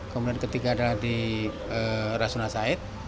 kemudian ketiga adalah di rasuna said